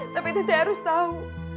tapi teteh harus tahu